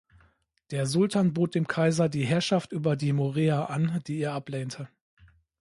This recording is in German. Der Sultan bot dem Kaiser die Herrschaft über die Morea an, die er ablehnte.